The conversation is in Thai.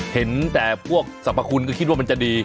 เห็นแต่พวกสรรพคุณก็คิดว่ามันจะดี